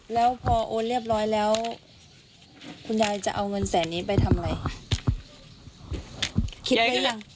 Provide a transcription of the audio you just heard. แล้วพอโอนเรียบร้อยแล้วคุณยายจะเอาเงินแสนนี้ไปทำอะไรคิดไว้ยัง